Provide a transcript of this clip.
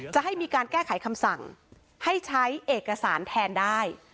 จะให้มีการแก้ไขคำสั่งให้ใช้เอกสารแทนได้